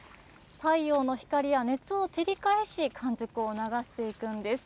太陽の光や熱を照り返し完熟を促していくんです。